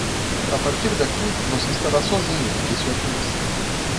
"A partir daqui,? você estará sozinho?", disse o alquimista.